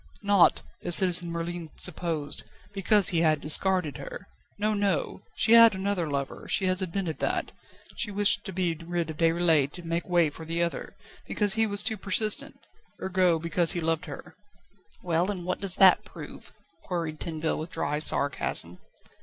Not, as Citizen Merlin supposed, because he had discarded her. No, no; she had another lover she has admitted that. She wished to be rid of Déroulède to make way for the other, because he was too persistent ergo, because he loved her." "Well, and what does that prove?" queried Tinville with dry sarcasm.